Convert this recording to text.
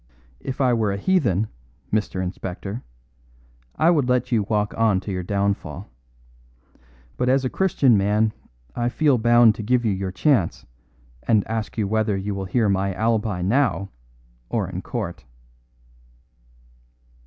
If I were a heathen, Mr. Inspector, I would let you walk on to your downfall. But as a Christian man I feel bound to give you your chance, and ask you whether you will hear my alibi now or in court."